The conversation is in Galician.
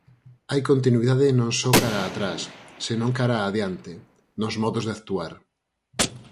Hai continuidade non só cara a atrás, senón cara a adiante, nos modos de actuar.